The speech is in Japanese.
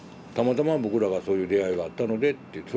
たまたま僕らはそういう出会いがあったのでって。